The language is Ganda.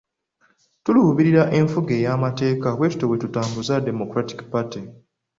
Tuluubirira nfuga ey'amateeka, bwetutyo bwe tutambuza Democratic Party